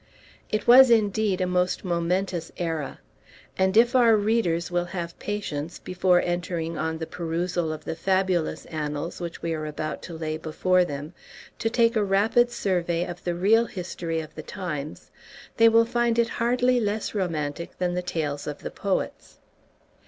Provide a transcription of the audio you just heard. It was indeed a most momentous era; and if our readers will have patience, before entering on the perusal of the fabulous annals which we are about to lay before them, to take a rapid survey of the real history of the times, they will find it hardly less romantic than the tales of the poets.